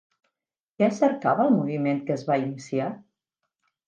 Què cercava el moviment que es va iniciar?